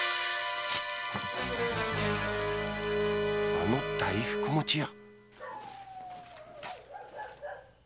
あの大福もち屋！